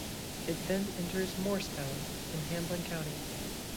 It then enters Morristown in Hamblen County.